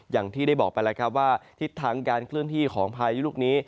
อย่างที่ได้บอกไปแล้วครับว่าทิศทางการเคลื่อนที่ของพายุลูกนี้